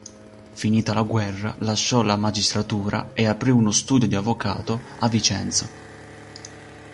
Finita la guerra, lasciò la magistratura e aprì uno studio di avvocato a Vicenza.